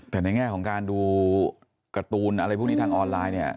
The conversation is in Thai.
แต่ในแง่ของการดูการ์ตูนอะไรพวกนี้ทางออนไลน์เนี่ย